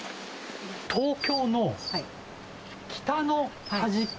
東京の北の端っこ。